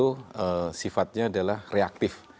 kita sifatnya adalah reaktif